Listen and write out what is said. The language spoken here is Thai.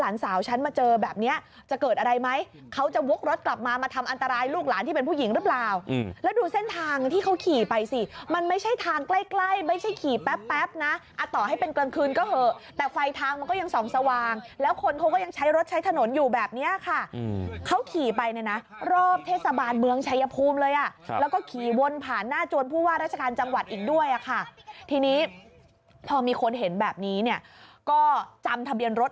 เรียนแล้วนะเอาไหมให้แม่ขี่แปลอีกหน่อย